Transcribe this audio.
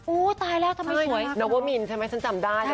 อุ้ยตายแล้วทำไมสวย